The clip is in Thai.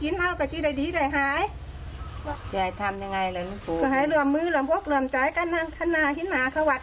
นี่เป็นร่างทรงค่ะ